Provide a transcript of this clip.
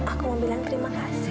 aku mau bilang terima kasih